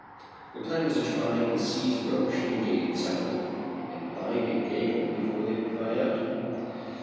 The plan was to try and seize Roch and Gaydon separately and bind and gag them before they could cry out.